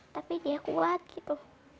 tapi dia kuat gitu